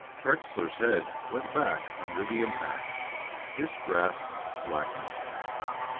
Trexler's head went back under the impact; his grasp slackened.